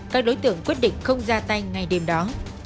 các đối tượng quyết định không ra tay ngay đêm đó